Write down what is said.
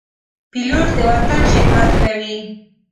پیلوټ د وطن خدمت کوي.